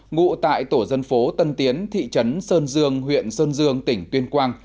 ngụ tại tổ dân phố tân tiến thị trấn sơn dương huyện sơn dương tỉnh tuyên quang